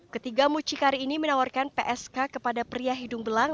ketiga mucikari ini menawarkan psk kepada pria hidung belang